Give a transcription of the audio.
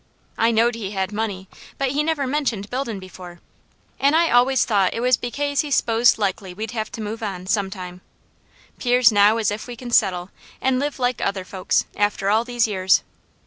I knowed he had money, but he never mentioned buildin' before, an' I always thought it was bekase he 'sposed likely we'd have to move on, some time. 'Pears now as if we can settle, an' live like other folks, after all these years.